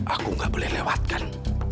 aku gak boleh lewatkan